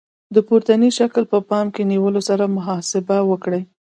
د پورتني شکل په پام کې نیولو سره محاسبه وکړئ.